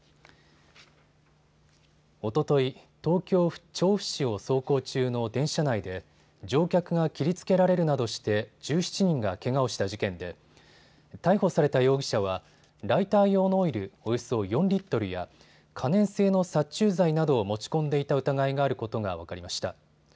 おととい、東京調布市を走行中の電車内で乗客が切りつけられるなどして１７人がけがをした事件で逮捕された容疑者はライター用のオイルおよそ４リットルや可燃性の殺虫剤などを持ち込んでいた疑いがあることが分かりました。